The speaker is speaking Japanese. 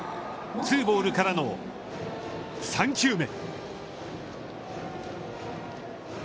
ツーボールからの３球目。